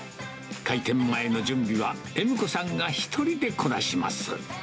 開店前の準備は恵美子さんが１人でこなします。